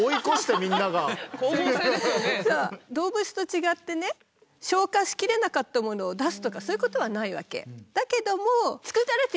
動物とちがってね消化しきれなかったものを出すとかそういうことはないわけ。